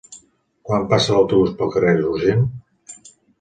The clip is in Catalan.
Quan passa l'autobús pel carrer Rogent?